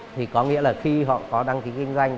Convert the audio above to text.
thì có nghĩa là khi họ có đăng ký kinh doanh